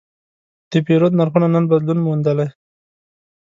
د پیرود نرخونه نن بدلون موندلی.